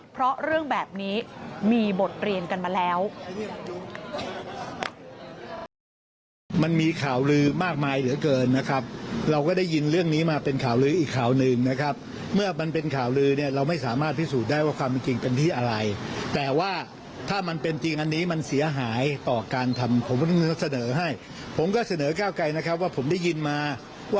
เพราะเรื่องแบบนี้มีบทเรียนกันมาแล้ว